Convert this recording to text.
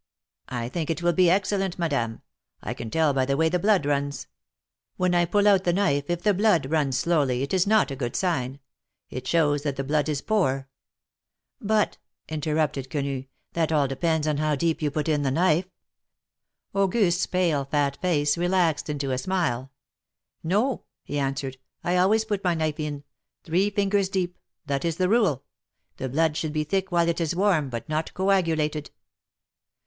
"I think it will be excellent, Madame. I can tell by the way the blood runs. When I pull out the knife, if the blood runs slowly, it is not a good sign ; it shows that the blood is poor — But,'^ interrupted Quenu, that all depends on how deep you put in the knife." Auguste's pale, fat face relaxed into a smile. "No," he answered, "I always put my knife in, three fingers deep — that is the rule. The blood should be thick while it is warm, but not coagulated."